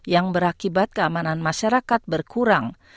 yang berakibat keamanan masyarakat berkurang